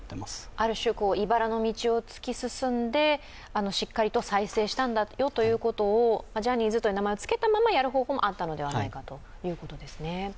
ある種、茨の道を突き進んでしっかり再生したんだよという方向、ジャニーズという名前をつけたままやる方法もあったのではないかということですね。